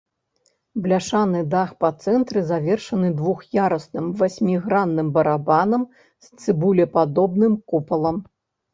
Бляшаны дах па цэнтры завершаны двух'ярусным васьмігранным барабанам з цыбулепадобным купалам.